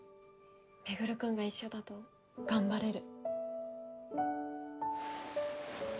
周君が一緒だと頑張れる。